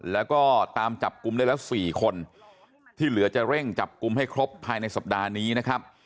แล้วก็ตามจับกลุ่มได้แล้ว๔คนที่เหลือจะเร่งจับกลุ่มให้ครบภายในสัปดาห์นี้นะครับ